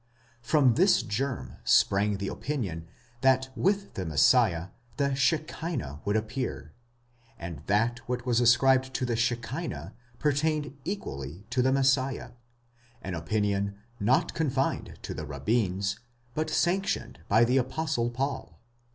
From this germ sprang the opinion that with the Messiah the Shechina would appear, and that what was ascribed to the Shechina pertained equally to the Messiah: an opinion not confined to the Rabbins, but sanctioned by the Apostle Paul.